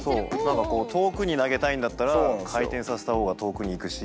何かこう遠くに投げたいんだったら回転させた方が遠くに行くし。